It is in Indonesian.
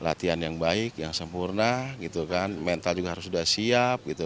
latihan yang baik yang sempurna mental juga harus sudah siap